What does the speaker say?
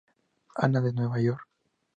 Ann de Nueva York.